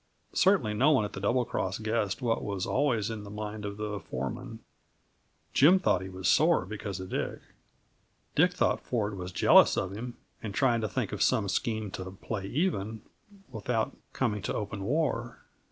Certainly no one at the Double Cross guessed what was always in the mind of the foreman. Jim thought he was "sore" because of Dick. Dick thought Ford was jealous of him, and trying to think of some scheme to "play even," without coming to open war.